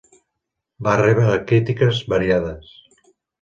Va rebre crítiques variades.